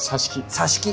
さし木！